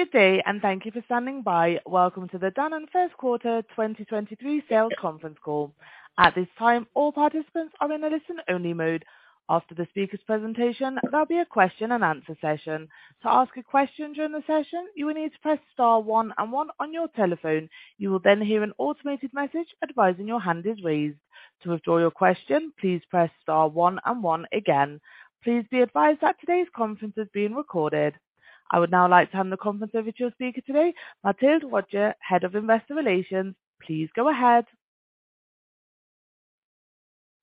Good day, thank you for standing by. Welcome to the Danone First Quarter 2023 Sales Conference Call. At this time, all participants are in a listen-only mode. After the speaker's presentation, there'll be a question and answer session. To ask a question during the session, you will need to press star, one and one on your telephone. You will then hear an automated message advising your hand is raised. To withdraw your question, please press star, one and one again. Please be advised that today's conference is being recorded. I would now like to hand the conference over to your speaker today, Mathilde Rodié, Head of Investor Relations. Please go ahead.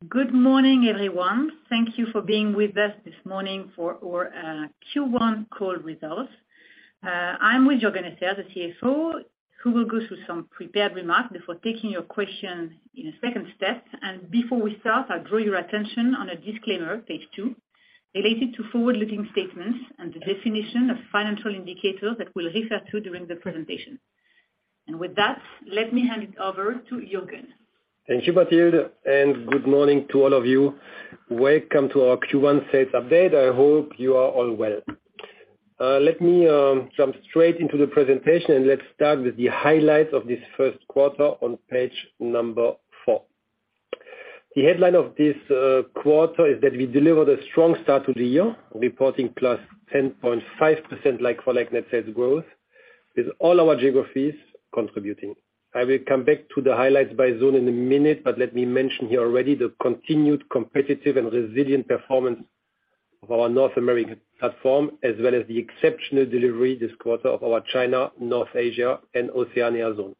Good morning, everyone. Thank you for being with us this morning for our Q1 call results. I'm with Juergen Esser, the CFO, who will go through some prepared remarks before taking your questions in a second step. Before we start, I'll draw your attention on a disclaimer, page two, related to forward-looking statements and the definition of financial indicators that we'll refer to during the presentation. With that, let me hand it over to Juergen. Thank you, Mathilde. Good morning to all of you. Welcome to our Q1 sales update. I hope you are all well. Let me jump straight into the presentation. Let's start with the highlights of this first quarter on page number four. The headline of this quarter is that we delivered a strong start to the year, reporting +10.5% like-for-like net sales growth, with all our geographies contributing. I will come back to the highlights by zone in a minute. Let me mention here already the continued competitive and resilient performance of our North American platform, as well as the exceptional delivery this quarter of our China, North Asia, and Oceania zone.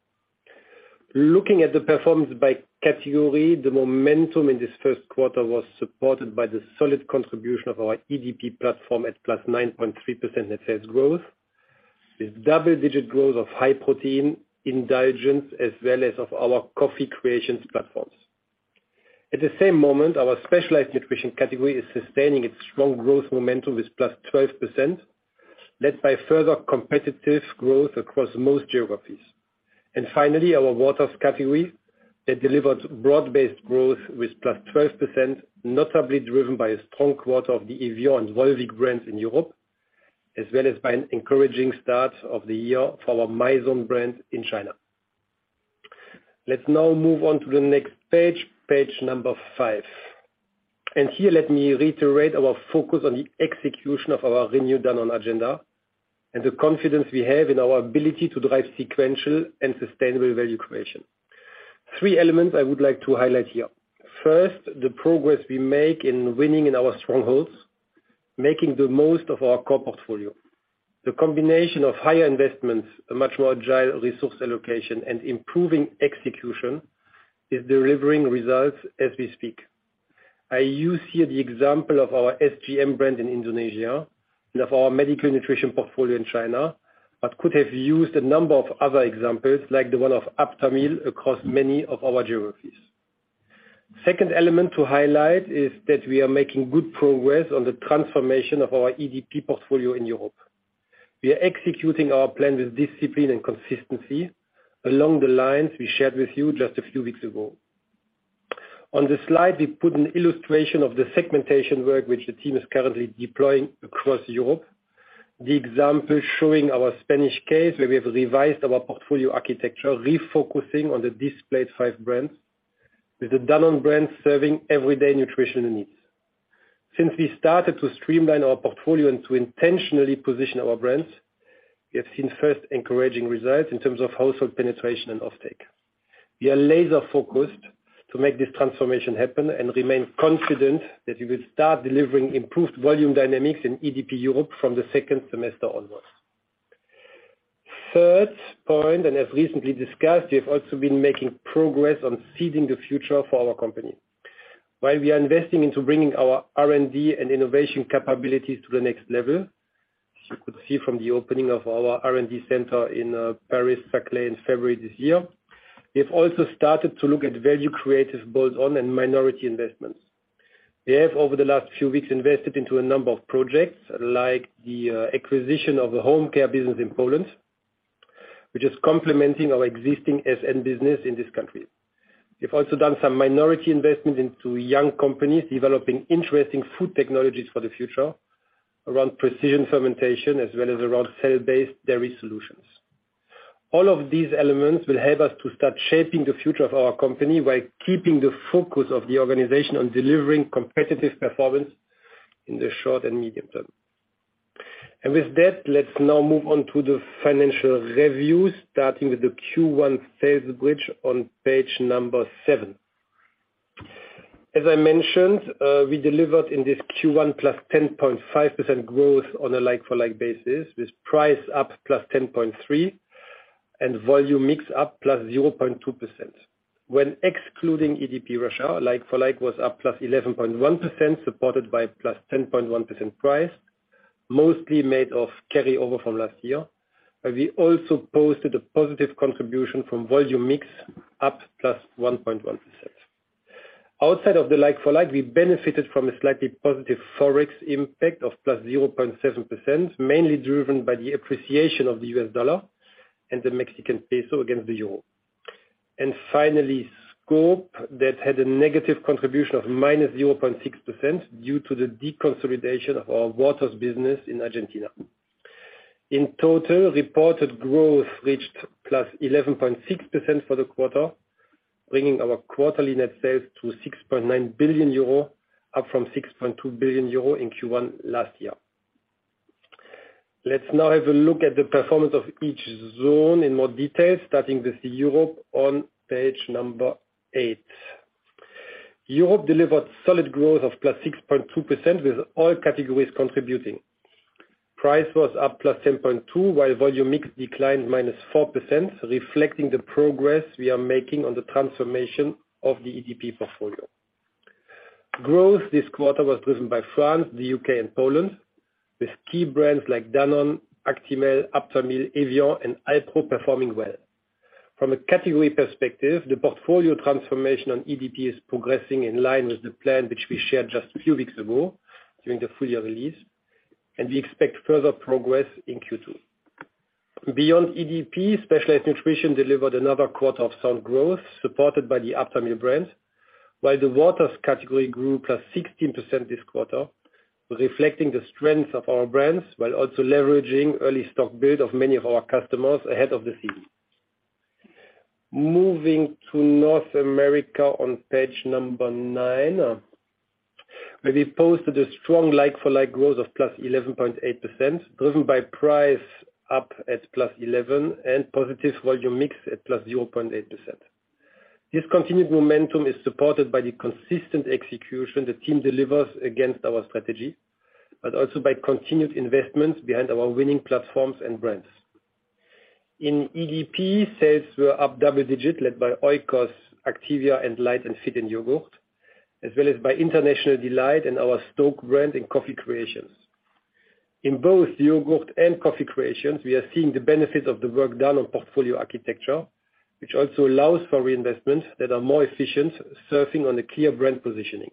Looking at the performance by category, the momentum in this first quarter was supported by the solid contribution of our EDP platform at +9.3% net sales growth, with double-digit growth of high protein indulgence, as well as of our Coffee Creations platforms. At the same moment, our specialized nutrition category is sustaining its strong growth momentum with +12%, led by further competitive growth across most geographies. Finally, our Waters category that delivered broad-based growth with +12%, notably driven by a strong quarter of the Evian and Volvic brands in Europe, as well as by an encouraging start of the year for our Mizone brand in China. Let's now move on to the next page number five. Here, let me reiterate our focus on the execution of the Renew Danone agenda and the confidence we have in our ability to drive sequential and sustainable value creation. Three elements I would like to highlight here. First, the progress we make in winning in our strongholds, making the most of our core portfolio. The combination of higher investments, a much more agile resource allocation, and improving execution is delivering results as we speak. I use here the example of our SGM brand in Indonesia and of our medical nutrition portfolio in China, but could have used a number of other examples, like the one of Aptamil across many of our geographies. Second element to highlight is that we are making good progress on the transformation of our EDP portfolio in Europe. We are executing our plan with discipline and consistency along the lines we shared with you just a few weeks ago. On this slide, we put an illustration of the segmentation work which the team is currently deploying across Europe. The example showing our Spanish case, where we have revised our portfolio architecture, refocusing on the displayed five brands, with the Danone brand serving everyday nutritional needs. Since we started to streamline our portfolio and to intentionally position our brands, we have seen first encouraging results in terms of household penetration and offtake. We are laser-focused to make this transformation happen and remain confident that we will start delivering improved volume dynamics in EDP Europe from the second semester onwards. Third point, as recently discussed, we have also been making progress on seeding the future for our company. While we are investing into bringing our R&D and innovation capabilities to the next level, as you could see from the opening of our R&D center in Paris-Saclay in February this year, we have also started to look at value creative build on and minority investments. We have, over the last few weeks, invested into a number of projects, like the acquisition of the home care business in Poland, which is complementing our existing SN business in this country. We've also done some minority investment into young companies developing interesting food technologies for the future around precision fermentation as well as around cell-based dairy solutions. All of these elements will help us to start shaping the future of our company by keeping the focus of the organization on delivering competitive performance in the short and medium term. With that, let's now move on to the financial review, starting with the Q1 sales bridge on page number seven. As I mentioned, we delivered in this Q1 +10.5% growth on a like-for-like basis, with price up +10.3% and volume/mix up +0.2%. When excluding EDP Russia, like-for-like was up +11.1%, supported by +10.1% price, mostly made of carryover from last year. We also posted a positive contribution from volume/mix up +1.1%. Outside of the like-for-like, we benefited from a slightly positive ForEx impact of +0.7%, mainly driven by the appreciation of the US dollar and the Mexican peso against the euro. Finally, Scope, that had a negative contribution of -0.6% due to the deconsolidation of our Waters business in Argentina. In total, reported growth reached +11.6% for the quarter, bringing our quarterly net sales to 6.9 billion euro, up from 6.2 billion euro in Q1 last year. Let's now have a look at the performance of each zone in more detail, starting with Europe on page 8. Europe delivered solid growth of +6.2% with all categories contributing. Price was up +10.2%, while volume/mix declined -4%, reflecting the progress we are making on the transformation of the EDP portfolio. Growth this quarter was driven by France, the U.K. and Poland, with key brands like Danone, Actimel, Aptamil, Evian and Alpro performing well. From a category perspective, the portfolio transformation on EDP is progressing in line with the plan which we shared just a few weeks ago during the full year release, and we expect further progress in Q2. Beyond EDP, specialized nutrition delivered another quarter of sound growth, supported by the Aptamil brand, while the Waters category grew +16% this quarter, reflecting the strength of our brands, while also leveraging early stock build of many of our customers ahead of the season. Moving to North America on page number nine, where we posted a strong like-for-like growth of +11.8%, driven by price up at +11% and positive volume/mix at +0.8%. This continued momentum is supported by the consistent execution the team delivers against our strategy, but also by continued investments behind our winning platforms and brands. In EDP, sales were up double digits led by Oikos, Activia and Light + Fit in Yogurt, as well as by International Delight and our STōK brand in Coffee Creations. In both Yogurt and Coffee Creations, we are seeing the benefit of the work done on portfolio architecture, which also allows for reinvestments that are more efficient, surfing on a clear brand positioning.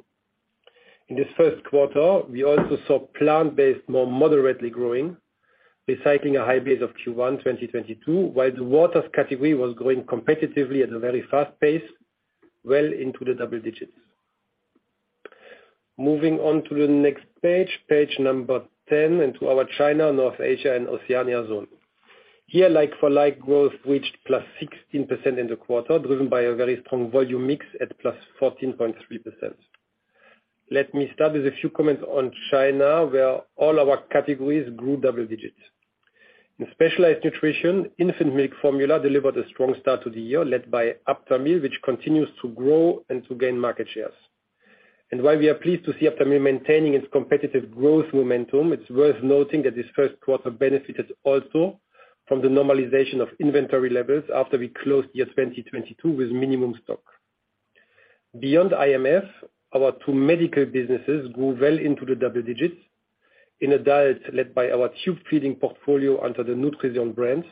In this first quarter, we also saw plant-based more moderately growing, recycling a high base of Q1 2022, while the Waters category was growing competitively at a very fast pace, well into the double digits. Moving on to the next page number 10, into our China, North Asia and Oceania zone. Here, like-for-like growth reached +16% in the quarter, driven by a very strong volume/mix at +14.3%. Let me start with a few comments on China, where all our categories grew double digits. In specialized nutrition, infant milk formula delivered a strong start to the year, led by Aptamil, which continues to grow and to gain market shares. While we are pleased to see Aptamil maintaining its competitive growth momentum, it's worth noting that this first quarter benefited also from the normalization of inventory levels after we closed year 2022 with minimum stock. Beyond IMF, our two medical businesses grew well into the double digits in adult, led by our tube feeding portfolio under the Nutrison brand,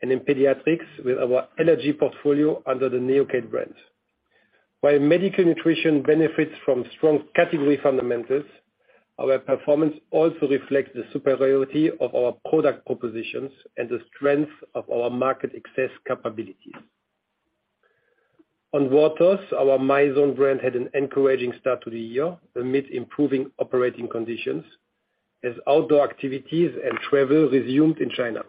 and in pediatrics with our energy portfolio under the Neocate brand. While medical nutrition benefits from strong category fundamentals, our performance also reflects the superiority of our product propositions and the strength of our market access capabilities. On Waters, our Mizone brand had an encouraging start to the year amid improving operating conditions as outdoor activities and travel resumed in China.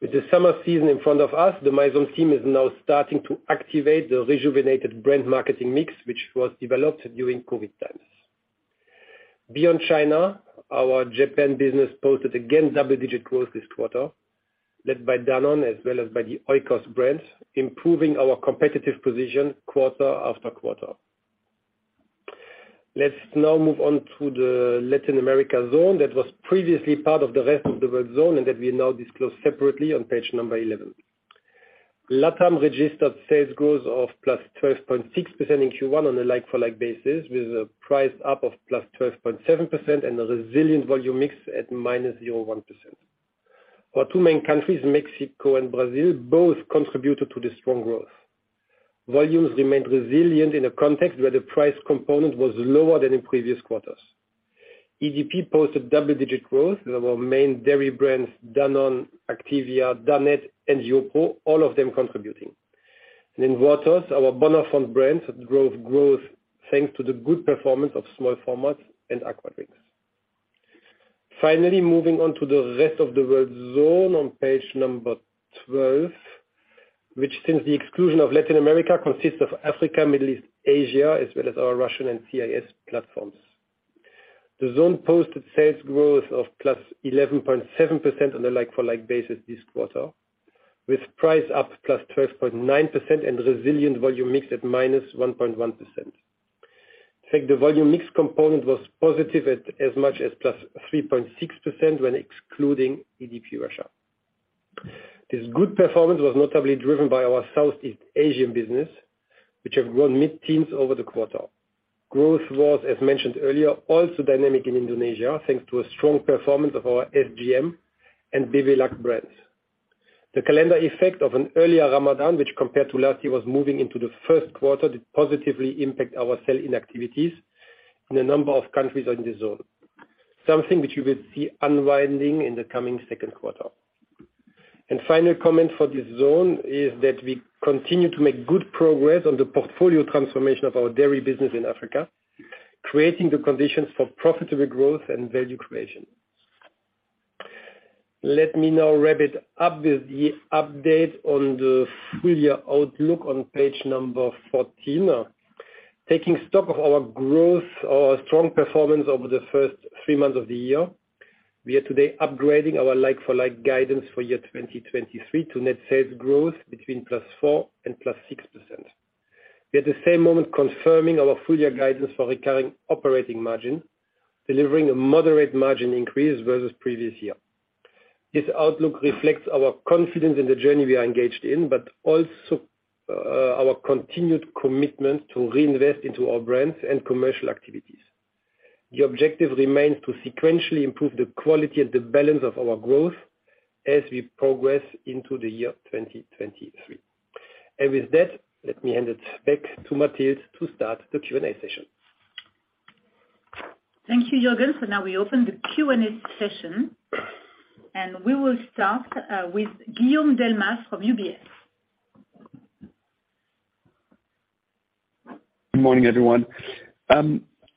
With the summer season in front of us, the Mizone team is now starting to activate the rejuvenated brand marketing mix, which was developed during COVID times. Beyond China, our Japan business posted again double-digit growth this quarter, led by Danone as well as by the Oikos brand, improving our competitive position quarter after quarter. Let's now move on to the Latin America zone that was previously part of the rest of the world zone and that we now disclose separately on page number 11. LatAm registered sales growth of +12.6% in Q1 on a like-for-like basis, with a price up of +12.7% and a resilient volume/mix at -0.1%. Our two main countries, Mexico and Brazil, both contributed to the strong growth. Volumes remained resilient in a context where the price component was lower than in previous quarters. EDP posted double-digit growth in our main dairy brands, Danone, Activia, Dannon and YoPRO, all of them contributing. In Waters, our Bonafont brands drove growth thanks to the good performance of small formats and aqua drinks. Moving on to the rest of the world zone on page number 12, which since the exclusion of Latin America consists of Africa, Middle East, Asia, as well as our Russian and CIS platforms. The zone posted sales growth of +11.7% on a like-for-like basis this quarter, with price up +12.9% and resilient volume mix at -1.1%. The volume/mix component was positive at as much as +3.6% when excluding EDP Russia. This good performance was notably driven by our Southeast Asian business, which have grown mid-teens over the quarter. Growth was, as mentioned earlier, also dynamic in Indonesia, thanks to a strong performance of our SGM and Bebelac brands. The calendar effect of an earlier Ramadan, which compared to last year was moving into the first quarter, did positively impact our sell-in activities in a number of countries in this zone. Something which you will see unwinding in the coming second quarter. Final comment for this zone is that we continue to make good progress on the portfolio transformation of our dairy business in Africa, creating the conditions for profitable growth and value creation. Let me now wrap it up with the update on the full year outlook on page 14. Taking stock of our growth or strong performance over the first three months of the year, we are today upgrading our like-for-like guidance for year 2023 to net sales growth between +4% and +6%. We at the same moment confirming our full year guidance for recurring operating margin, delivering a moderate margin increase versus previous year. This outlook reflects our confidence in the journey we are engaged in, but also, our continued commitment to reinvest into our brands and commercial activities. The objective remains to sequentially improve the quality and the balance of our growth as we progress into the year 2023. With that, let me hand it back to Mathilde to start the Q&A session. Thank you, Juergen. Now we open the Q&A session. We will start with Guillaume Delmas from UBS. Good morning, everyone.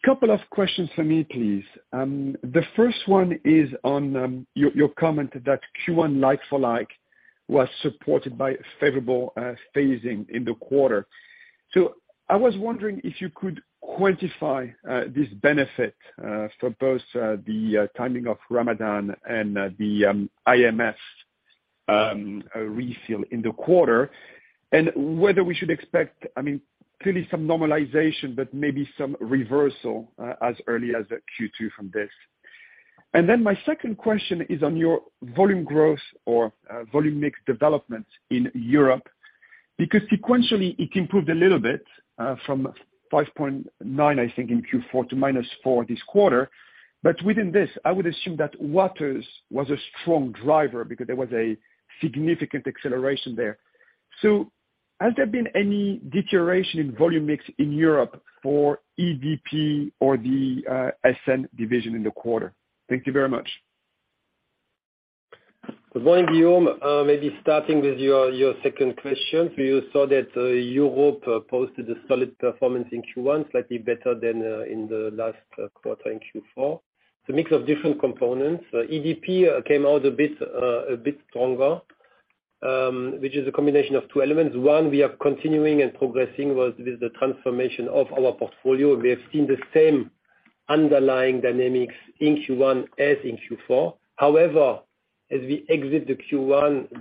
Couple of questions for me, please. The first one is on your comment that Q1 like-for-like was supported by favorable phasing in the quarter. I was wondering if you could quantify this benefit for both the timing of Ramadan and the IMF refill in the quarter and whether we should expect, I mean, clearly some normalization but maybe some reversal as early as Q2 from this. My second question is on your volume growth or volume/mix development in Europe, because sequentially it improved a little bit from 5.9%, I think, in Q4 to -4% this quarter. Within this, I would assume that Waters was a strong driver because there was a significant acceleration there. Has there been any deterioration in volume/mix in Europe for EDP or the SN division in the quarter? Thank you very much. Good morning, Guillaume. Maybe starting with your second question. You saw that Europe posted a solid performance in Q1, slightly better than in the last quarter in Q4. It's a mix of different components. EDP came out a bit stronger, which is a combination of two elements. One, we are continuing and progressing with the transformation of our portfolio. We have seen the same underlying dynamics in Q1 as in Q4. However, as we exit the Q1,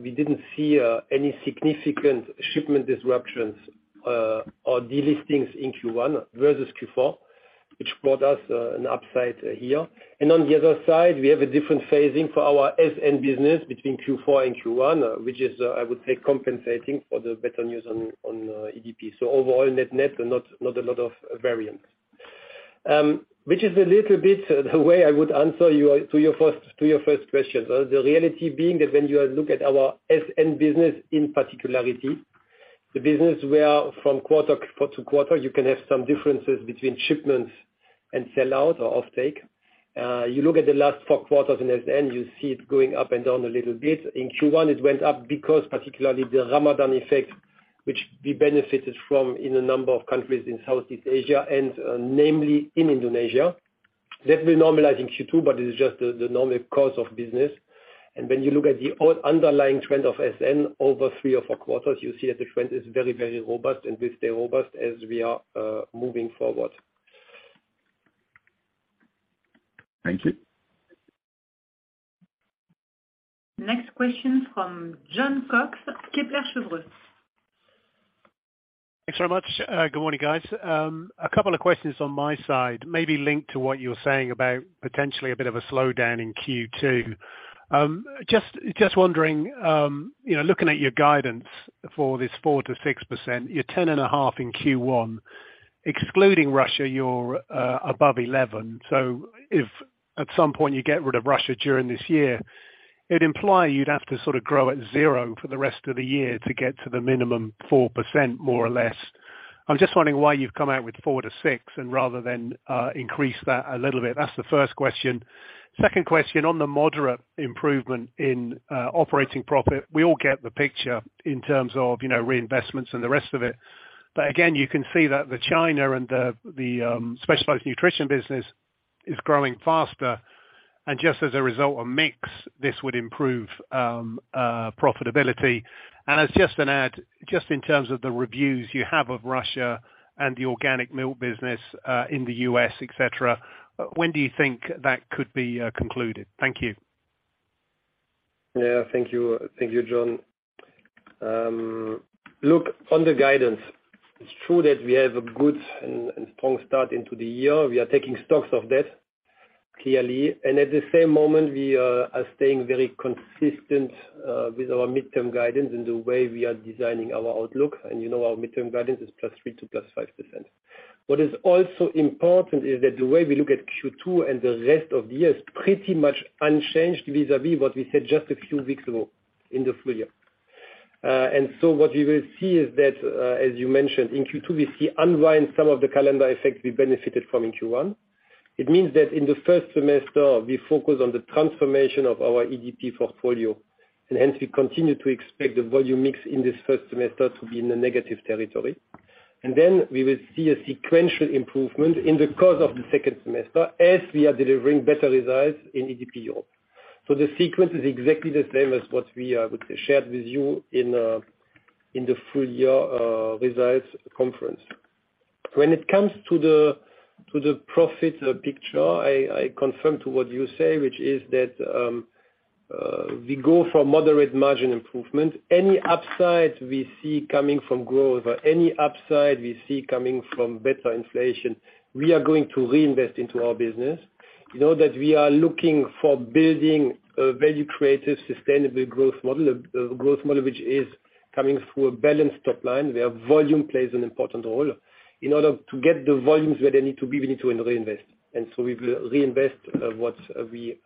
we didn't see any significant shipment disruptions or delistings in Q1 versus Q4, which brought us an upside here. On the other side, we have a different phasing for our SN business between Q4 and Q1, which is, I would say compensating for the better news on EDP. Overall net-net, not a lot of variance. Which is a little bit the way I would answer to your first question. The reality being that when you look at our SN business particularly, the business where from quarter to quarter, you can have some differences between shipments and sell-out or offtake. You look at the last four quarters in SN, you see it going up and down a little bit. In Q1, it went up because particularly the Ramadan effect, which we benefited from in a number of countries in Southeast Asia and, namely in Indonesia. That will normalize in Q2, but it is just the normal course of business. When you look at the underlying trend of SN over three or four quarters, you see that the trend is very, very robust and will stay robust as we are moving forward. Thank you. Next question from Jon Cox, Kepler Cheuvreux. Thanks very much. Good morning, guys. A couple of questions on my side, maybe linked to what you were saying about potentially a bit of a slowdown in Q2. Just wondering, you know, looking at your guidance for this 4%-6%, you're 10.5% in Q1. Excluding Russia, you're above 11%. If at some point you get rid of Russia during this year, it'd imply you'd have to sort of grow at 0% for the rest of the year to get to the minimum 4% more or less. I'm just wondering why you've come out with 4%-6% and rather than increase that a little bit. That's the first question. Second question, on the moderate improvement in operating profit, we all get the picture in terms of, you know, reinvestments and the rest of it. Again, you can see that the China and the specialized nutrition business is growing faster. Just as a result of mix, this would improve profitability. As just an add, just in terms of the reviews you have of Russia and the organic milk business, in the U.S., et cetera, when do you think that could be concluded? Thank you. Yeah. Thank you. Thank you, Jon. Look, on the guidance, it's true that we have a good and strong start into the year. We are taking stocks of that clearly. At the same moment, we are staying very consistent with our midterm guidance in the way we are designing our outlook, and you know our midterm guidance is +3% to +5%. What is also important is that the way we look at Q2 and the rest of the year is pretty much unchanged vis-a-vis what we said just a few weeks ago in the full year. What you will see is that, as you mentioned, in Q2, we see unwind some of the calendar effects we benefited from in Q1. It means that in the first semester, we focus on the transformation of our EDP portfolio. Hence we continue to expect the volume/mix in this first semester to be in the negative territory. Then we will see a sequential improvement in the course of the second semester as we are delivering better results in EDP Europe. The sequence is exactly the same as what we shared with you in the full year results conference. When it comes to the to the profit picture, I confirm to what you say, which is that we go for moderate margin improvement. Any upside we see coming from growth or any upside we see coming from better inflation, we are going to reinvest into our business. You know that we are looking for building a very creative, sustainable growth model, a growth model which is coming through a balanced top line, where volume plays an important role. In order to get the volumes where they need to be, we need to reinvest. We will reinvest what we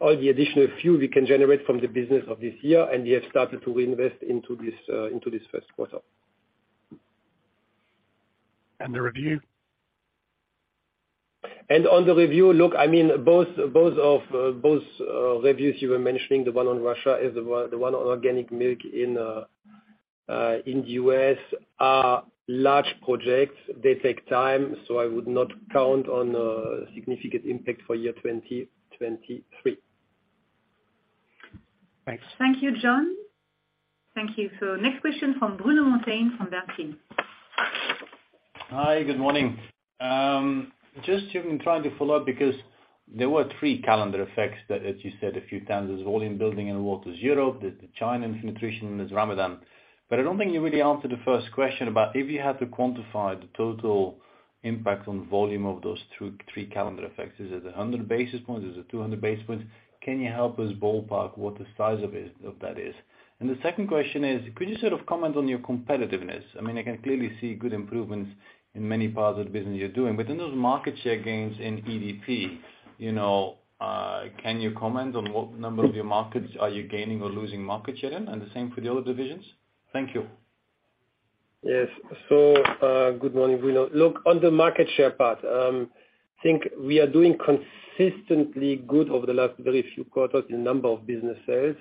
all the additional few we can generate from the business of this year. We have started to reinvest into this into this first quarter. The review? On the review, look, I mean, both reviews you were mentioning, the one on Russia and the one on organic milk in the U.S., are large projects. They take time, so I would not count on a significant impact for year 2023. Thanks. Thank you, Jon. Thank you. Next question from Bruno Monteyne from Bernstein. Hi, good morning. Just, you know, trying to follow up because there were three calendar effects that, as you said a few times, there's volume building in Waters Europe, the China Nutrition, there's Ramadan. I don't think you really answered the first question about if you had to quantify the total impact on volume of those two, three calendar effects. Is it 100 basis points? Is it 200 basis points? Can you help us ballpark what the size of it, of that is? The second question is, could you sort of comment on your competitiveness? I mean, I can clearly see good improvements in many parts of the business you're doing. In those market share gains in EDP, you know, can you comment on what number of your markets are you gaining or losing market share in? The same for the other divisions. Thank you. Good morning, Bruno. Look, on the market share part, think we are doing consistently good over the last very few quarters in a number of businesses,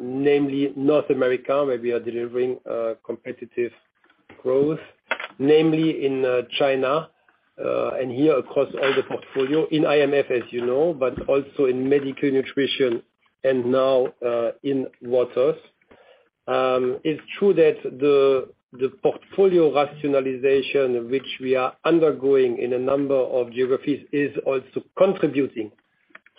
namely North America, where we are delivering, competitive growth, namely in China, and here across all the portfolio in IMF, as you know, but also in medical nutrition and now in Waters. It's true that the portfolio rationalization, which we are undergoing in a number of geographies, is also contributing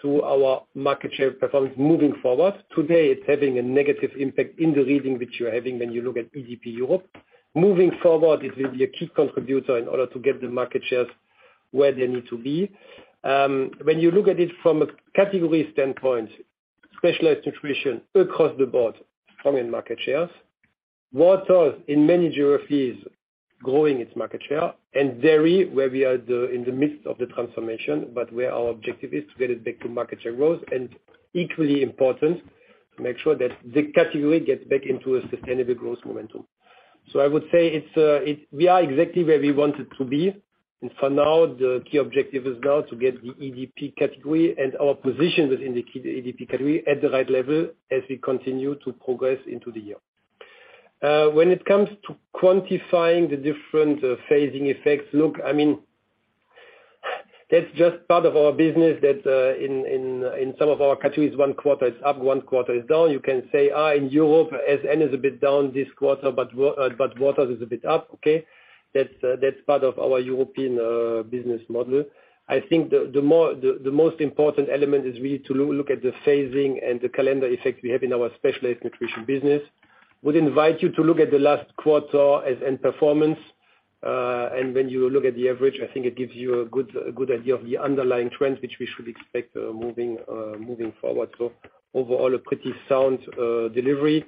to our market share performance moving forward. Today, it's having a negative impact in the reading which you are having when you look at EDP Europe. Moving forward, it will be a key contributor in order to get the market shares where they need to be. When you look at it from a category standpoint, specialized nutrition across the board, strong in market shares. Waters, in many geographies, growing its market share, and very, where we are the, in the midst of the transformation, but where our objective is to get it back to market share growth, and equally important, to make sure that the category gets back into a sustainable growth momentum. I would say it's, we are exactly where we wanted to be. For now, the key objective is now to get the EDP category and our position within the key, the EDP category at the right level as we continue to progress into the year. When it comes to quantifying the different phasing effects, look, I mean, that's just part of our business that in some of our countries, one quarter is up, one quarter is down. You can say, "In Europe, SN is a bit down this quarter, but Waters is a bit up." Okay. That's part of our European business model. I think the more, the most important element is really to look at the phasing and the calendar effect we have in our specialized nutrition business. Would invite you to look at the last quarter SN performance, and when you look at the average, I think it gives you a good idea of the underlying trend, which we should expect moving forward. Overall, a pretty sound delivery.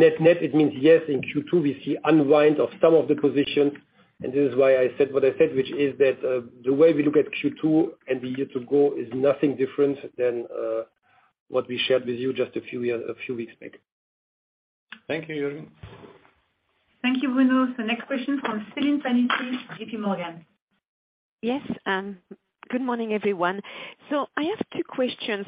Net-net, it means, yes, in Q2, we see unwind of some of the positions, and this is why I said what I said, which is that, the way we look at Q2 and the year to go is nothing different than, what we shared with you just a few weeks back. Thank you, Juergen. Thank you, Bruno. The next question from Céline Pannuti, J.P. Morgan. Yes, good morning, everyone. I have two questions.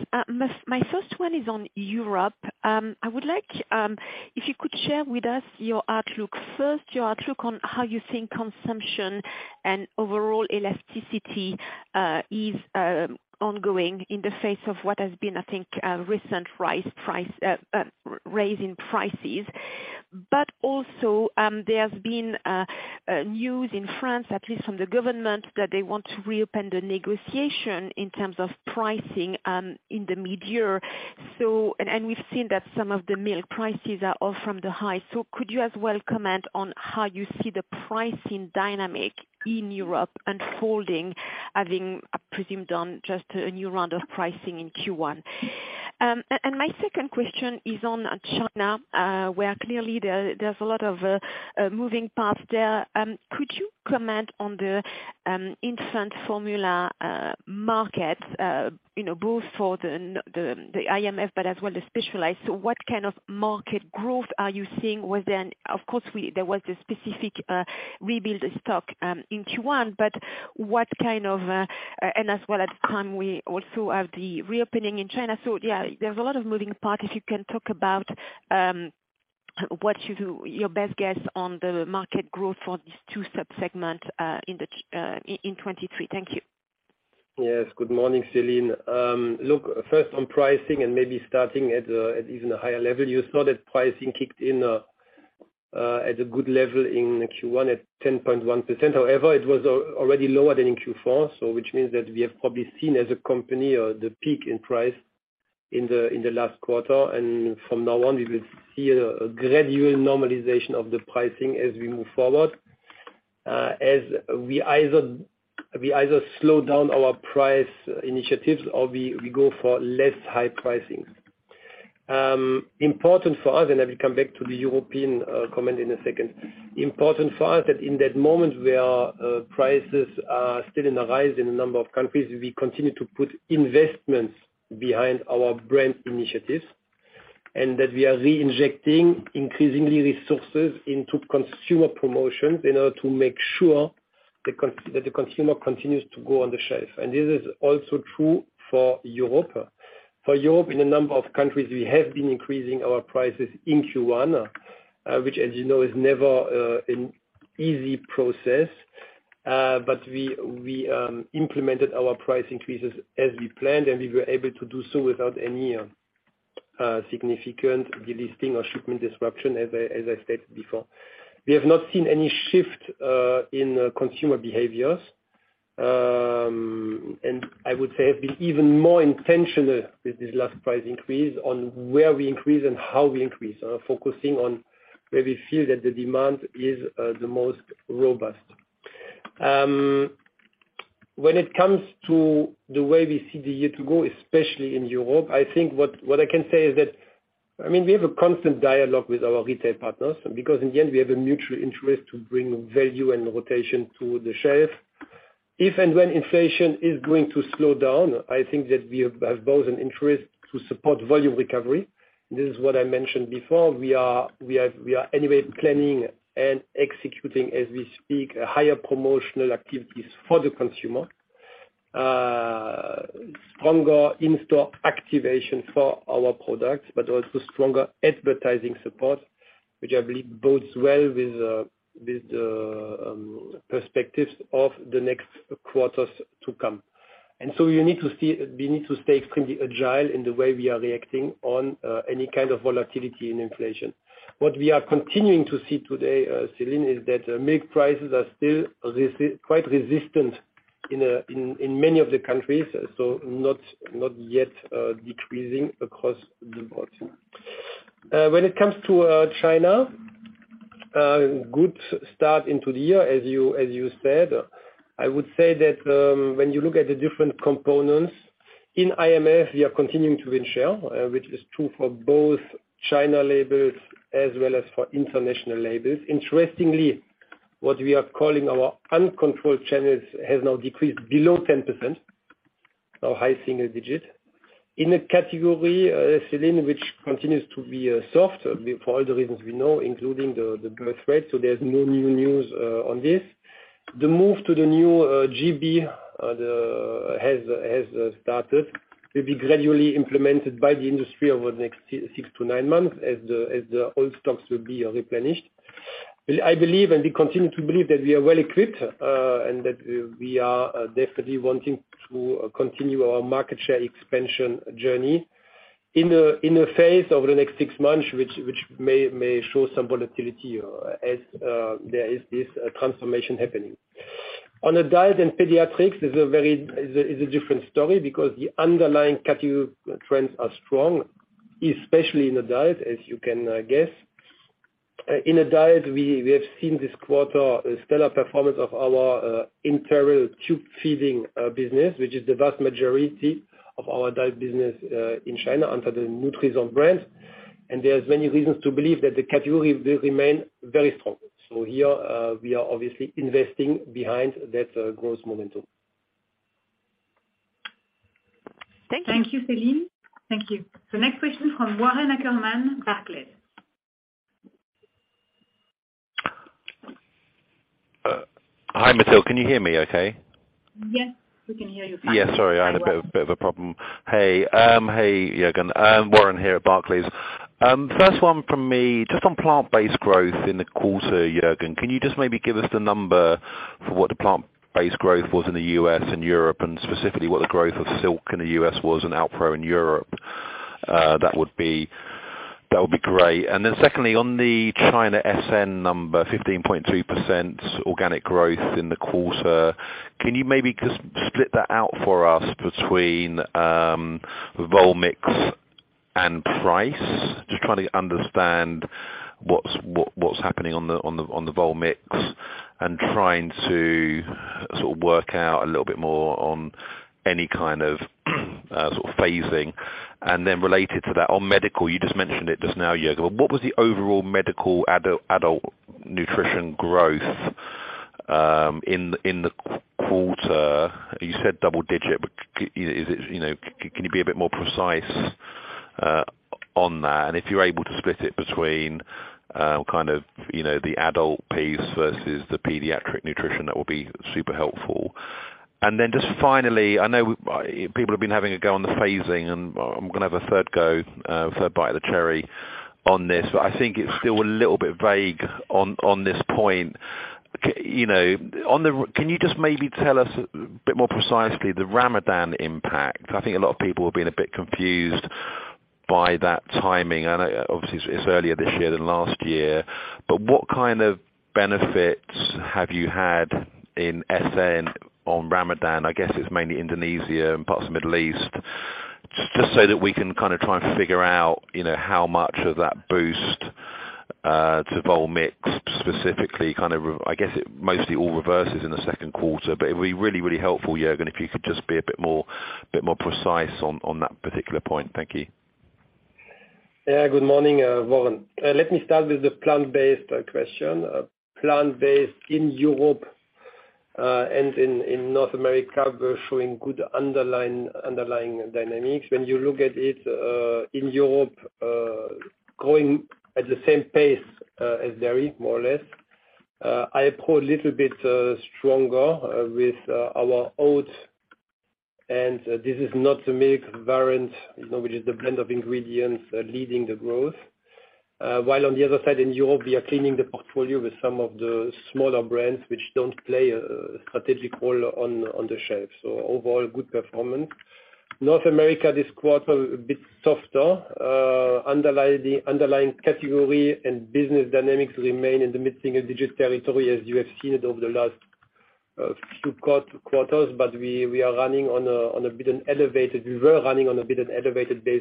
My first one is on Europe. I would like if you could share with us your outlook, first your outlook on how you think consumption and overall elasticity is ongoing in the face of what has been, I think, a recent price raise in prices. Also, there's been news in France, at least from the government, that they want to reopen the negotiation in terms of pricing in the midyear. And we've seen that some of the milk prices are off from the high. Could you as well comment on how you see the pricing dynamic in Europe unfolding, having, I presume, done just a new round of pricing in Q1? My second question is on China, where clearly there's a lot of moving parts there. Could you comment on the infant formula market, you know, both for the IMF, but as well the specialized? What kind of market growth are you seeing within? Of course, there was a specific rebuild of stock in Q1, but what kind of, and as well as can we also have the reopening in China? There's a lot of moving parts, if you can talk about what you do, your best guess on the market growth for these two sub-segments in 2023. Thank you. Yes. Good morning, Céline. Look first on pricing and maybe starting at even a higher level. You saw that pricing kicked in at a good level in Q1 at 10.1%. It was already lower than in Q4, which means that we have probably seen as a company, the peak in price in the last quarter. From now on, we will see a gradual normalization of the pricing as we move forward, as we either slow down our price initiatives or we go for less high pricing. Important for us, I will come back to the European comment in a second, important for us that in that moment, where prices are still on the rise in a number of countries, we continue to put investments behind our brand initiatives. That we are re-injecting increasingly resources into consumer promotions in order to make sure that the consumer continues to go on the shelf. This is also true for Europe. For Europe, in a number of countries, we have been increasing our prices in Q1, which as you know is never an easy process. We implemented our price increases as we planned, and we were able to do so without any significant delisting or shipment disruption as I stated before. We have not seen any shift in consumer behaviors. I would say have been even more intentional with this last price increase on where we increase and how we increase, focusing on where we feel that the demand is the most robust. When it comes to the way we see the year to go, especially in Europe, I think what I can say is that, I mean, we have a constant dialogue with our retail partners, because in the end, we have a mutual interest to bring value and rotation to the shelf. If and when inflation is going to slow down, I think that we have both an interest to support volume recovery. This is what I mentioned before. We are anyway planning and executing as we speak, higher promotional activities for the consumer. Stronger in-store activation for our products, but also stronger advertising support, which I believe bodes well with the perspectives of the next quarters to come. We need to see, we need to stay extremely agile in the way we are reacting on any kind of volatility in inflation. What we are continuing to see today, Céline, is that milk prices are still quite resistant in many of the countries, so not yet decreasing across the board. When it comes to China, good start into the year, as you said. I would say that when you look at the different components, in IMF, we are continuing to win share, which is true for both China labels as well as for international labels. Interestingly, what we are calling our uncontrolled channels has now decreased below 10% or high single digits. In a category, Céline, which continues to be soft for all the reasons we know, including the birthrate, there's no new news on this. The move to the new GB has started, will be gradually implemented by the industry over the next six to nine months as the old stocks will be replenished. I believe, and we continue to believe that we are well equipped, and that we are definitely wanting to continue our market share expansion journey in the phase over the next six months, which may show some volatility as there is this transformation happening. On the diet and pediatrics, it's a very, it's a different story because the underlying category trends are strong, especially in the diet, as you can guess. In the diet, we have seen this quarter a stellar performance of our enteral tube feeding business, which is the vast majority of our diet business in China under the Nutrison brand. There's many reasons to believe that the category will remain very strong. Here, we are obviously investing behind that growth momentum. Thank you. Thank you, Céline. Thank you. The next question from Warren Ackerman, Barclays. Hi, Mathilde. Can you hear me okay? Yes, we can hear you fine. Yeah, sorry, I had a bit of a problem. Hey, Juergen. Warren here at Barclays. First one from me, just on plant-based growth in the quarter, Juergen, can you just maybe give us the number for what the plant-based growth was in the US and Europe, and specifically what the growth of Silk in the US was and Alpro in Europe? That would be great. Secondly, on the China SN number, 15.3% organic growth in the quarter, can you maybe just split that out for us between vol/mix and price? Just trying to understand what's happening on the vol/mix. Trying to sort of work out a little bit more on any kind of phasing. Related to that, on medical, you just mentioned it just now, Juergen, but what was the overall medical adult nutrition growth in the quarter? You said double digit, but is it, you know, can you be a bit more precise on that? If you're able to split it between, kind of, you know, the adult piece versus the pediatric nutrition, that will be super helpful. Just finally, I know, people have been having a go on the phasing and I'm gonna have a third go, third bite of the cherry on this. I think it's still a little bit vague on this point. You know, can you just maybe tell us a bit more precisely the Ramadan impact? I think a lot of people have been a bit confused by that timing, and obviously it's earlier this year than last year. What kind of benefits have you had in SN on Ramadan? I guess it's mainly Indonesia and parts of Middle East. Just so that we can kind of try and figure out, you know, how much of that boost to vol/mix specifically kind of, I guess it mostly all reverses in the second quarter, but it'd be really, really helpful, Juergen, if you could just be a bit more precise on that particular point. Thank you. Yeah. Good morning, Warren. Let me start with the plant-based question. Plant-based in Europe and in North America, we're showing good underlying dynamics. When you look at it, in Europe, growing at the same pace as dairy more or less, I pulled little bit stronger with our oats. This is not to make variant, you know, which is the blend of ingredients leading the growth. While on the other side, in Europe, we are cleaning the portfolio with some of the smaller brands which don't play a strategic role on the shelf. Overall good performance. North America, this quarter a bit softer. Underlying category and business dynamics remain in the mid-single digit territory as you have seen it over the last few quarters. We are running on a bit an elevated base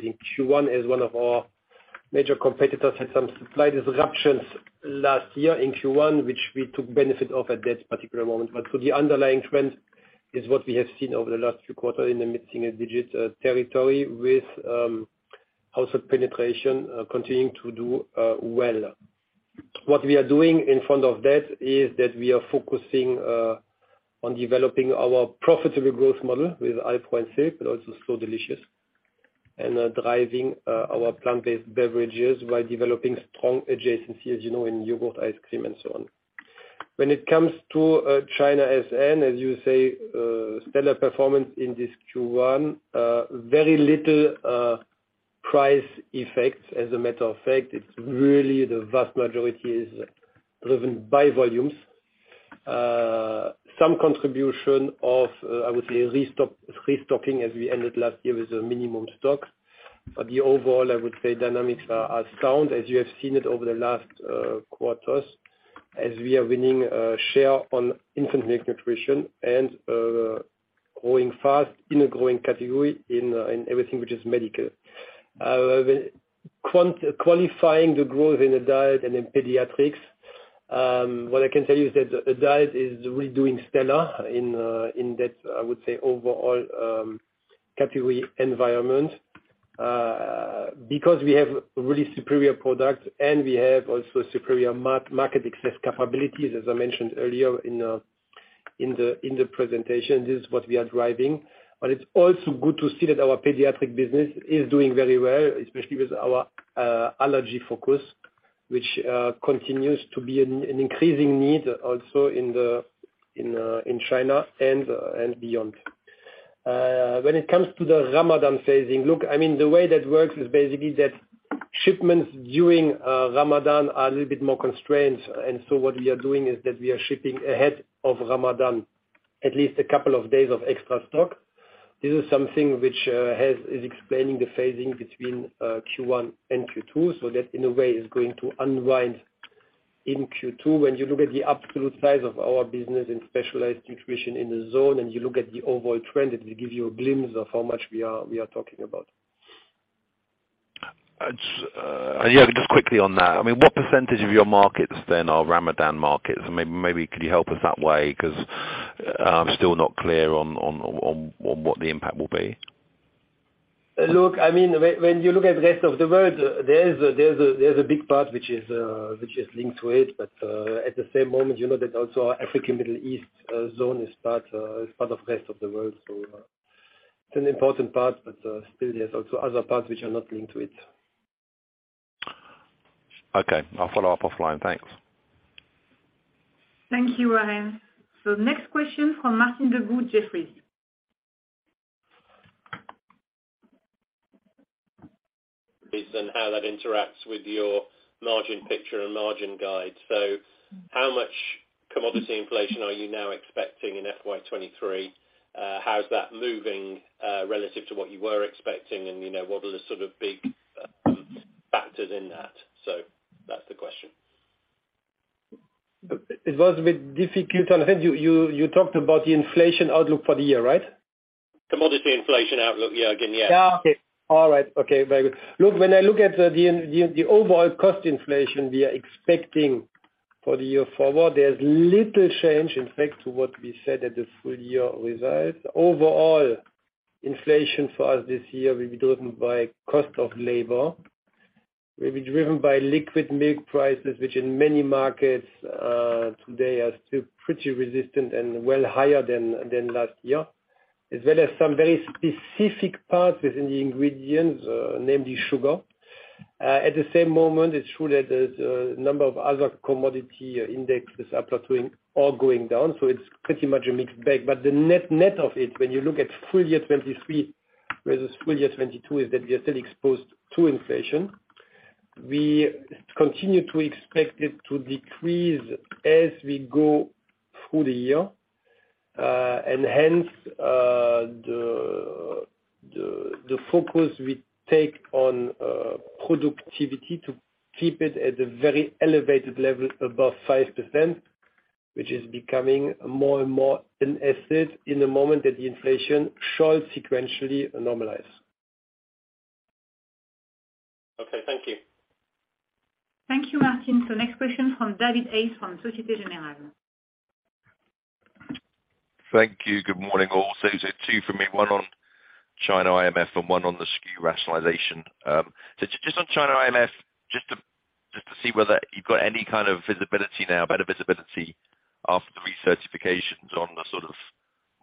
in Q1 as one of our major competitors had some supply disruptions last year in Q1, which we took benefit of at that particular moment. For the underlying trend is what we have seen over the last few quarter in the mid-single digit territory with household penetration continuing to do well. What we are doing in front of that is that we are focusing on developing our profitable growth model with Alpro and Silk, but also So Delicious, and driving our plant-based beverages while developing strong adjacencies, as you know, in yogurt, ice cream, and so on. When it comes to China SN, as you say, stellar performance in this Q1, very little price effects. As a matter of fact, it's really the vast majority is driven by volumes. some contribution of, I would say, restocking as we ended last year with a minimum stock. But the overall, I would say dynamics are sound as you have seen it over the last quarters as we are winning share on infant nutrition and growing fast in a growing category in everything which is medical. qualifying the growth in the diet and in pediatrics, what I can tell you is that the diet is really doing stellar in that, I would say, overall, category environment, because we have really superior products and we have also superior market access capabilities as I mentioned earlier in the, in the presentation, this is what we are driving. It's also good to see that our pediatric business is doing very well, especially with our allergy focus, which continues to be an increasing need also in China and beyond. When it comes to the Ramadan phasing, look, I mean, the way that works is basically that shipments during Ramadan are a little bit more constrained and so what we are doing is that we are shipping ahead of Ramadan, at least a couple of days of extra stock. This is something which is explaining the phasing between Q1 and Q2. That in a way is going to unwind in Q2. When you look at the absolute size of our business in Specialized Nutrition in the Zone, and you look at the overall trend, it will give you a glimpse of how much we are talking about. Yeah. Just quickly on that. I mean, what percentage of your markets then are Ramadan markets? Maybe could you help us that way? 'Cause I'm still not clear on what the impact will be. Look, I mean, when you look at the rest of the world, there is a big part which is linked to it. At the same moment, you know that also our Africa, Middle East zone is part of rest of the world. It's an important part, but still there's also other parts which are not linked to it. Okay. I'll follow up offline. Thanks. Thank you, Warren. Next question from Martin Deboo, Jefferies. This and how that interacts with your margin picture and margin guide. How much commodity inflation are you now expecting in FY 2023? How's that moving relative to what you were expecting? You know, what are the sort of big factors in that? That's the question. It was a bit difficult. I think you talked about the inflation outlook for the year, right? Commodity inflation outlook, Juergen, yeah? Yeah, okay. All right. Okay, very good. When I look at the overall cost inflation we are expecting for the year forward, there's little change in fact to what we said at the full year results. Overall, inflation for us this year will be driven by cost of labor. Will be driven by liquid milk prices, which in many markets today are still pretty resistant and well higher than last year. As well as some very specific parts within the ingredients, namely sugar. At the same moment, it's true that there's a number of other commodity indexes, Mm-hmm. Are plateauing or going down, so it's pretty much a mixed bag. The net of it, when you look at full year 2023 versus full year 2022, is that we are still exposed to inflation. We continue to expect it to decrease as we go through the year, and hence, the focus we take on productivity to keep it at a very elevated level above 5%, which is becoming more and more an asset in the moment that the inflation shall sequentially normalize. Okay, thank you. Thank you, Martin. Next question from David Hayes from Societe Generale. Thank you. Good morning, all. two for me, one on China IMF and one on the SKU rationalization. just on China IMF, just to see whether you've got any kind of visibility now, better visibility after the recertifications on the sort of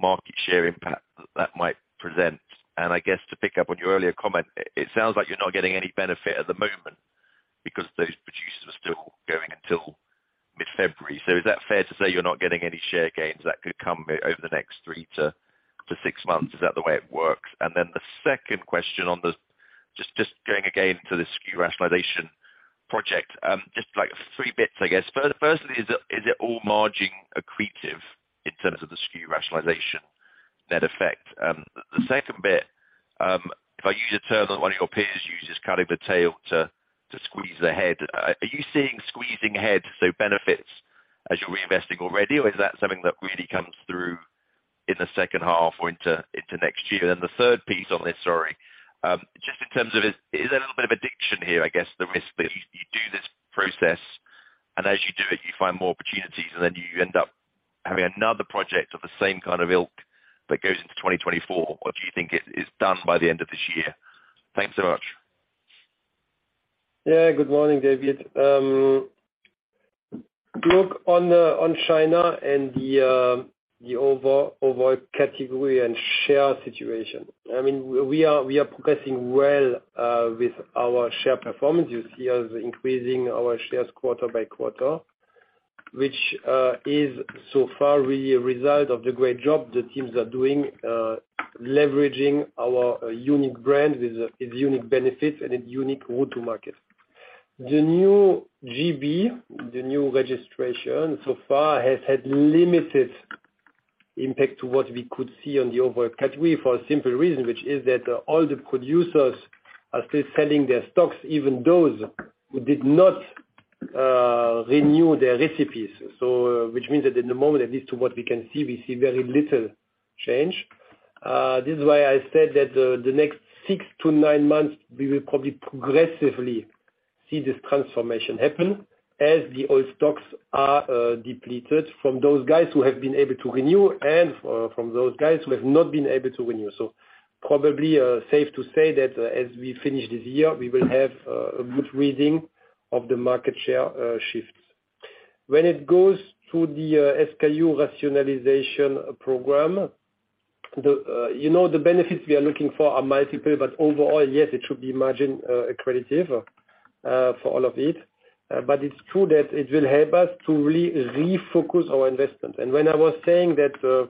market share impact that might present. I guess to pick up on your earlier comment, it sounds like you're not getting any benefit at the moment because those producers are still going until mid-February. Is that fair to say you're not getting any share gains that could come over the next three to six months? Is that the way it works? The second question on the just going again to the SKU rationalization project, just like three bits, I guess. First, is it all margin accretive in terms of the SKU rationalization net effect? The second bit, if I use a term that one of your peers uses, cutting the tail to squeeze the head, are you seeing squeezing head, so benefits as you're reinvesting already, or is that something that really comes through in the second half or into next year? The third piece on this, sorry, just in terms of is there a little bit of addiction here, I guess, the risk that you do this process and as you do it, you find more opportunities and then you end up having another project of the same kind of ilk that goes into 2024? Or do you think it is done by the end of this year? Thanks so much. Good morning, David. Look on China and the overall category and share situation. I mean, we are progressing well with our share performance. You see us increasing our shares quarter by quarter, which is so far really a result of the great job the teams are doing, leveraging our unique brand with its unique benefits and its unique route to market. The new GB, the new registration so far has had limited impact to what we could see on the overall category for a simple reason, which is that all the producers are still selling their stocks, even those who did not renew their recipes. Which means that in the moment, at least to what we can see, we see very little change. This is why I said that the next six to nine months, we will probably progressively see this transformation happen as the old stocks are depleted from those guys who have been able to renew and from those guys who have not been able to renew. Probably, safe to say that as we finish this year, we will have a good reading of the market share shifts. When it goes to the SKU rationalization program, the, you know, the benefits we are looking for are multiple, but overall, yes, it should be margin accretive for all of it. It's true that it will help us to re-refocus our investment. When I was saying that,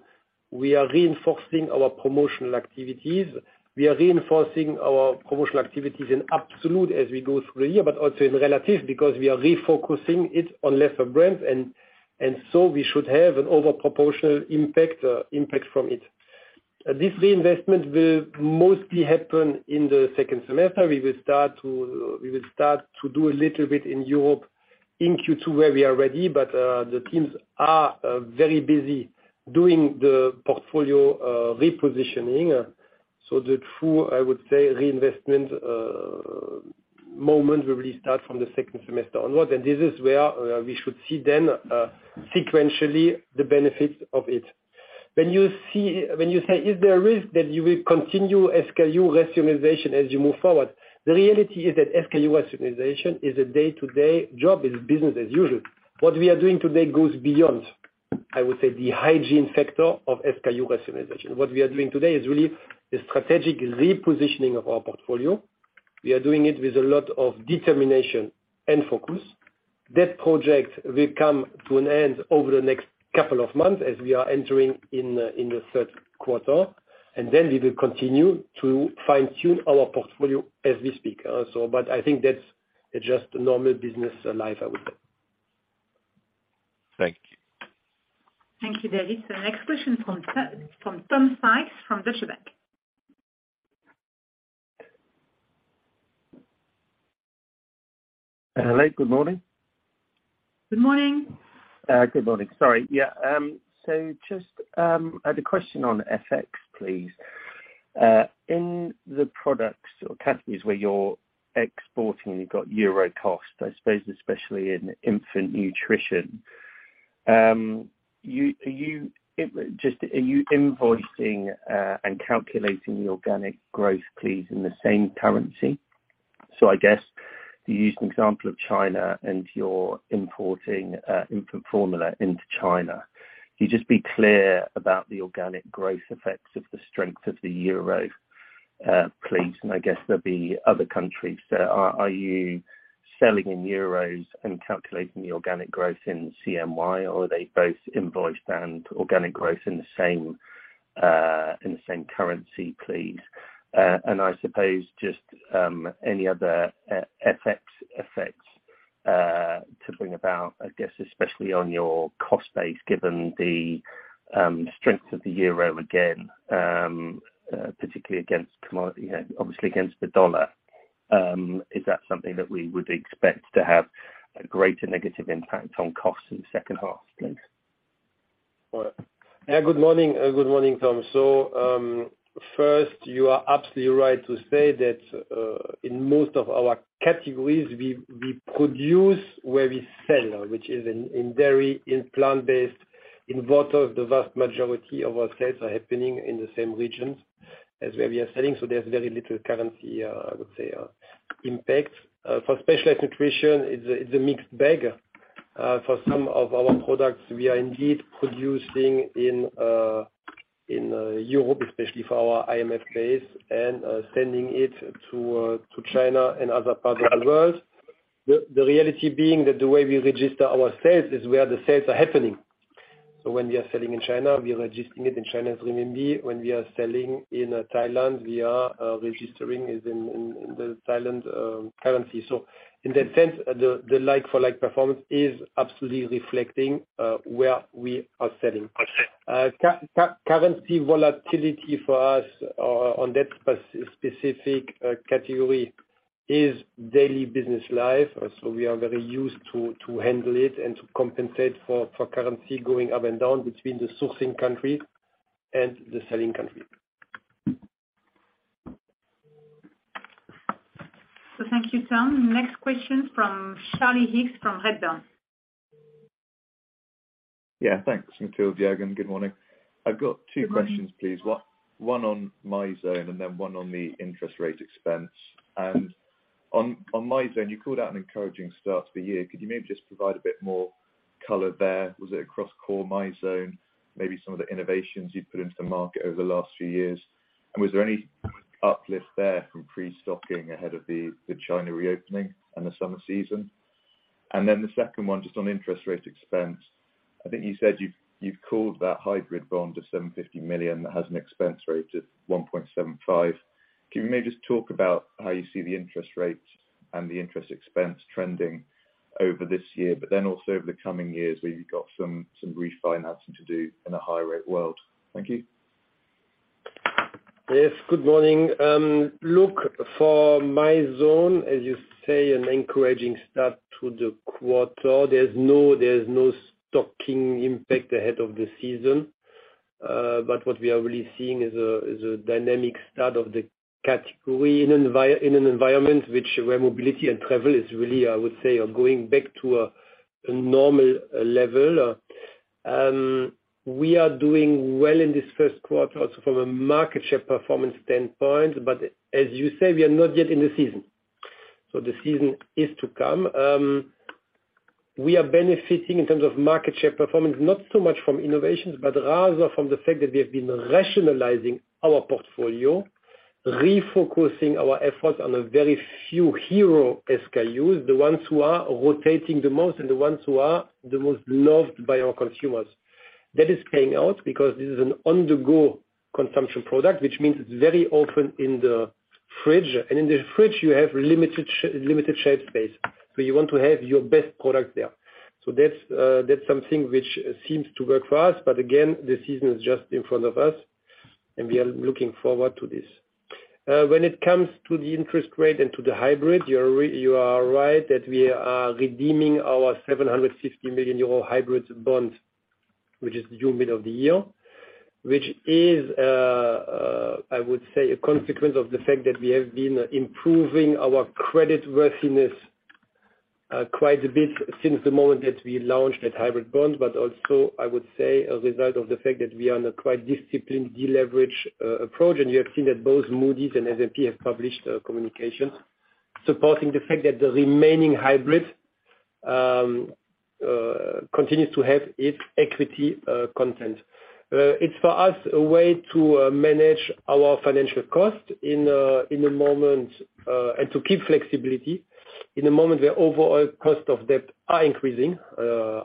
we are reinforcing our promotional activities, we are reinforcing our promotional activities in absolute as we go through the year, but also in relative because we are refocusing it on lesser brands and so we should have an over proportional impact from it. This reinvestment will mostly happen in the second semester. We will start to do a little bit in Europe in Q2 where we are ready, but the teams are very busy doing the portfolio repositioning. The true, I would say, reinvestment moment will really start from the second semester onwards, and this is where, we should see then, sequentially the benefits of it. When you say is there a risk that you will continue SKU rationalization as you move forward, the reality is that SKU rationalization is a day-to-day job, is business as usual. What we are doing today goes beyond, I would say, the hygiene factor of SKU rationalization. What we are doing today is really a strategic repositioning of our portfolio. We are doing it with a lot of determination and focus. That project will come to an end over the next couple of months as we are entering in the third quarter, and then we will continue to fine-tune our portfolio as we speak. I think that's just normal business life, I would say. Thank you. Thank you, David. The next question from Tom Sykes from Deutsche Bank. Hello, good morning. Good morning. Good morning. Sorry. Yeah, just, I had a question on ForEx please. In the products or categories where you're exporting and you've got euro cost, I suppose especially in infant nutrition, are you invoicing and calculating the organic growth please, in the same currency? I guess you use an example of China and you're importing infant formula into China. Could you just be clear about the organic growth effects of the strength of the euro please? I guess there'd be other countries. Are you selling in euros and calculating the organic growth in CNY or are they both invoiced and organic growth in the same, in the same currency, please? I suppose just any other ForEx effects to bring about, I guess especially on your cost base, given the strength of the euro again, particularly against commodity, you know, obviously against the dollar. Is that something that we would expect to have a greater negative impact on costs in the second half? Thanks. Good morning. Good morning, Tom. First, you are absolutely right to say that in most of our categories, we produce where we sell, which is in dairy, in plant-based, in water. The vast majority of our sales are happening in the same regions as where we are selling, so there's very little currency, I would say, impact. For specialized nutrition, it's a mixed bag. For some of our products we are indeed producing in Europe, especially for our IMF base and sending it to China and other parts of the world. The reality being that the way we register our sales is where the sales are happening. When we are selling in China, we are registering it in China's renminbi. When we are selling in Thailand, we are registering as in the Thailand currency. In that sense, the like-for-like performance is absolutely reflecting where we are selling. I see. Currency volatility for us on that specific category is daily business life. We are very used to handle it and to compensate for currency going up and down between the sourcing country and the selling country. Thank you, Tom. Next question from Charlie Higgs from Redburn. Yeah, thanks. Mathilde, Juergen, good morning. I've got two questions, please. One on Mizone and then one on the interest rate expense. On Mizone, you called out an encouraging start to the year. Could you maybe just provide a bit more color there? Was it across core Mizone? Maybe some of the innovations you'd put into the market over the last few years. Was there any uplift there from pre-stocking ahead of the China reopening and the summer season? The second one, just on interest rate expense. I think you said you've called that hybrid bond, a 750 million that has an expense rate of 1.75%. Can you maybe just talk about how you see the interest rates and the interest expense trending over this year, also over the coming years, where you've got some refinancing to do in a higher rate world? Thank you. Yes, good morning. look, for Mizone, as you say, an encouraging start to the quarter. There's no, there's no stocking impact ahead of the season. but what we are really seeing is a dynamic start of the category in an environment which, where mobility and travel is really, I would say, are going back to a normal level. we are doing well in this first quarter also from a market share performance standpoint, but as you say, we are not yet in the season. The season is to come. We are benefiting in terms of market share performance, not so much from innovations, but rather from the fact that we have been rationalizing our portfolio, refocusing our efforts on a very few hero SKUs, the ones who are rotating the most, and the ones who are the most loved by our consumers. That is paying out because this is an on-the-go consumption product, which means it's very open in the fridge. In the fridge you have limited shelf space, so you want to have your best product there. That's something which seems to work for us. Again, the season is just in front of us and we are looking forward to this. When it comes to the interest rate and to the hybrid, you are right that we are redeeming our 750 million euro hybrid bond, which is due mid of the year, which is, I would say, a consequence of the fact that we have been improving our credit worthiness, quite a bit since the moment that we launched that hybrid bond. Also, I would say, a result of the fact that we are on a quite disciplined deleverage approach. You have seen that both Moody's and S&P have published communications supporting the fact that the remaining hybrid continues to have its equity content. It's for us a way to manage our financial cost in the moment and to keep flexibility in the moment where overall cost of debt are increasing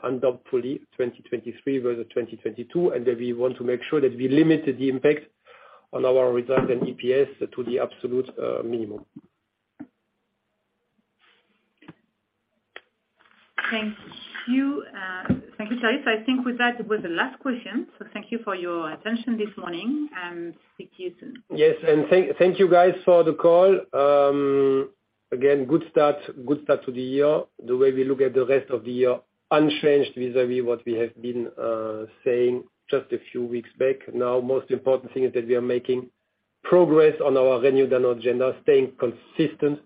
undoubtedly 2023 versus 2022. We want to make sure that we limited the impact on our results and EPS to the absolute minimum. Thank you. Thank you, Charlie. I think with that, it was the last question. Thank you for your attention this morning and speak to you soon. Yes, thank you guys for the call. Again, good start to the year. The way we look at the rest of the year, unchanged vis-a-vis what we have been saying just a few weeks back. Now, most important thing is that we are making progress on our Renew Danone agenda, staying consistent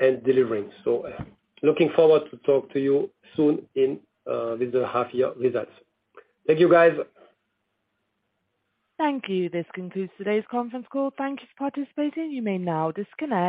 and delivering. Looking forward to talk to you soon in with the half year results. Thank you, guys. Thank you. This concludes today's conference call. Thank you for participating. You may now disconnect.